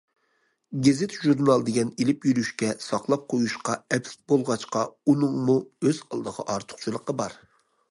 گېزىت- ژۇرنال دېگەن ئېلىپ يۈرۈشكە، ساقلاپ قويۇشقا ئەپلىك بولغاچقا ئۇنىڭمۇ ئۆز ئالدىغا ئارتۇقچىلىقى بار.